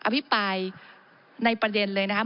อภิปรายในประเด็นเลยนะครับ